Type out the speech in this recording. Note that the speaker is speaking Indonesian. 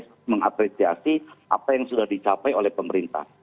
harus mengapresiasi apa yang sudah dicapai oleh pemerintah